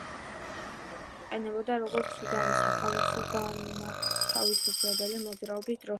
მანამდე გამოიყენებოდა, როგორც სუდანის სახალხო-განმათავისუფლებელი მოძრაობის დროშა.